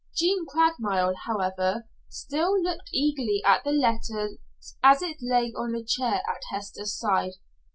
Jean Craigmile, however, still looked eagerly at the letter as it lay on a chair at Hester's side.